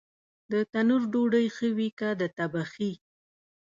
د تنور ډوډۍ ښه وي که د تبخي؟